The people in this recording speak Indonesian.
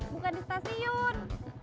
bukan di stasiun